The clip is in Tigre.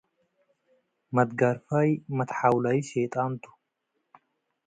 መትጋርፋይ መትሓውላዩ ሼጣን ቱ።